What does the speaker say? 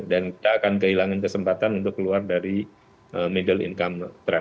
dan kita akan kehilangan kesempatan untuk keluar dari middle income trap